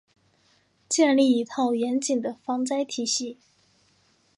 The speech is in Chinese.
建立一套严谨的防灾体系